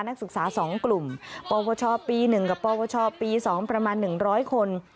นักศึกษา๒กลุ่มปวชปี๑กับปวชปี๒ประมาณ๑๐๐คน